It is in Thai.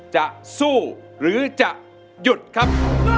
จะสู้หรือจะหยุดครับ